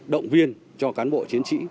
động viên cho cán bộ chiến sĩ